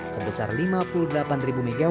sebesar lima puluh delapan mw